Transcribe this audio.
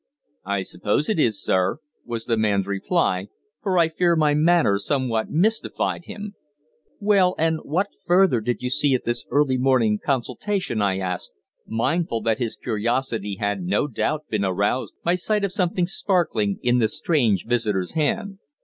"I suppose it is, sir," was the man's reply, for I fear my manner somewhat mystified him. "Well, and what further did you see at this early morning consultation?" I asked, mindful that his curiosity had no doubt been aroused by sight of something sparkling in the strange visitor's hand.